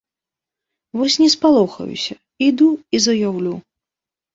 Вось не спалохаюся, іду і заяўлю!